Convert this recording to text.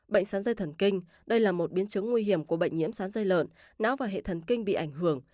bệnh sắn dây thần kinh đây là một biến chứng nguy hiểm của bệnh nhiễm sán dây lợn não và hệ thần kinh bị ảnh hưởng